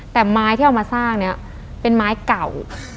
แต่ไม้ที่เอามาสร้างเนี่ยเป็นไม้เก่า